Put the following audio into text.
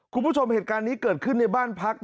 คุณผู้ชมเหตุการณ์นี้เกิดขึ้นในบ้านพัก